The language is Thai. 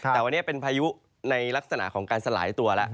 แต่วันนี้เป็นพายุในลักษณะของการสลายตัวแล้ว